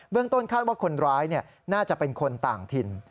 ต้นคาดว่าคนร้ายน่าจะเป็นคนต่างถิ่น